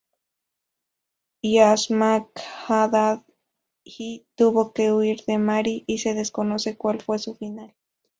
Iasmakh-Adad I tuvo que huir de Mari y se desconoce cuál fue su final.